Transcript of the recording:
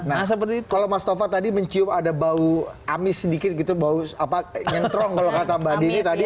nah seperti kalau mas tova tadi mencium ada bau amis sedikit gitu bau apa nyentrong kalau kata mbak dini tadi